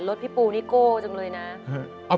พี่ปูนี่โก้จังเลยนะ